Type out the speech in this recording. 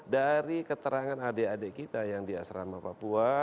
dari keterangan adik adik kita yang di asrama papua